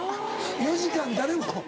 ４時間誰も。